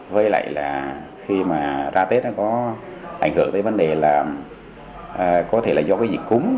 với lại là khi mà ra tết nó có ảnh hưởng tới vấn đề là có thể là do cái dịch cúm